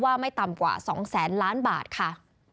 ว่าไม่ต่ำกว่า๒๐๐ล้านบาทค่ะ